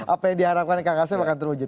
apa yang diharapkan kang kasem akan terwujud